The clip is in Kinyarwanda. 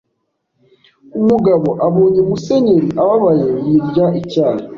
Umugabo abonye Musenyeri ababaye yirya icyara